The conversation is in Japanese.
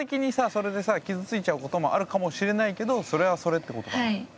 それでさ傷ついちゃうこともあるかもしれないけどそれはそれってことかな。